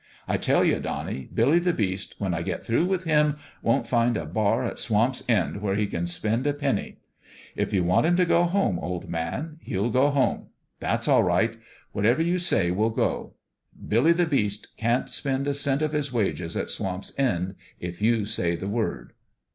I tell you, Donnie, Billy the Beast, when I get through with him, won't find a bar at Swamp's End where he can spend a penny. If you want him to go home, old man, he'll go home. That's all right. Whatever you say will^ 0. Billy the FATHER AND SON 289 Beast can't spend a cent of his wages at Swamp's End if you say the word."